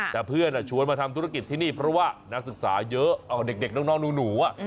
แต่เพื่อนชวนมาทำธุรกิจที่นี่เพราะว่านักศึกษาเยอะเอาเด็กน้องหนู